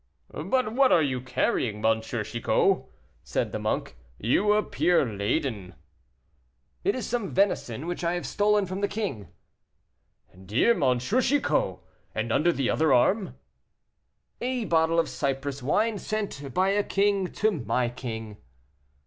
"But what are you carrying, M. Chicot?" said the monk, "you appear laden." "It is some venison which I have stolen from the king." "Dear M. Chicot! and under the other arm?" "A bottle of Cyprus wine sent by a king to my king."